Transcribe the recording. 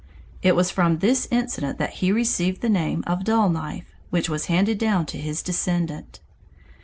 It was from this incident that he received the name of Dull Knife, which was handed down to his descendant.